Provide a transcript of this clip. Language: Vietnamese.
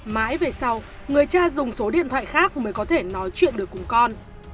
mãi về sau người cha dùng số điện thoại khác mới có thể nói chuyện được cùng con